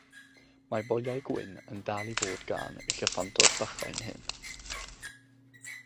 Mae boliau gwyn yn dal i fod gan y llyffantod bychain hyn.